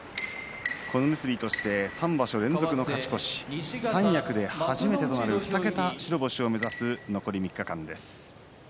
小結として３場所連続の勝ち越し三役で初めてとなる２桁白星を目指す残り３日間です。